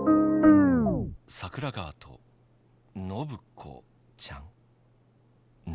桜川とのぶ子ちゃん？何？